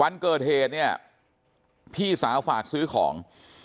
วันเกิดเหตุเนี่ยพี่สาวฝากซื้อของ